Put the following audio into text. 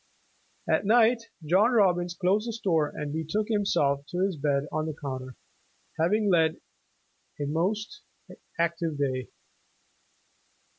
At night, John Robbins closed the store and betook himself to his bed on the counter, having led a mosi active day.